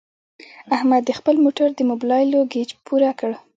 احمد د خپل موټر د مبلایلو ګېچ پوره کړ.